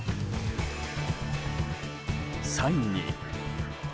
サインに。